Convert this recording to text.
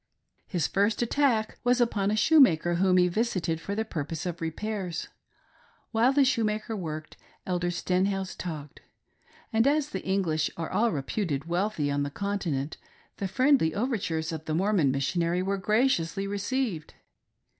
His first attack was upon a shoemaker whom he visited for the purpose of repairs. While the shoemaker worked. Elder Stenhouse talked ; and as the English are all reputed wealthy on the Continent, the friendly overtures of the Mormon Mis sionary were graciously received.